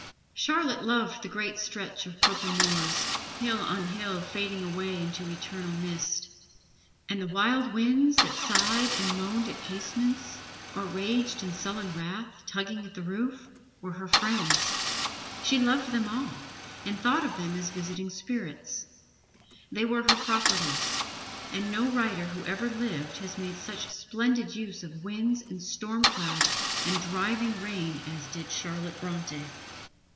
Charlotte loved the great stretch of purple moors, hill on hill fading away into eternal mist. And the wild winds that sighed and moaned at casements or raged in sullen wrath, tugging at the roof, were her friends. She loved them all, and thought of them as visiting spirits. They were her properties, and no writer who ever lived has made such splendid use of winds and storm clouds and driving rain as did Charlotte Bronte.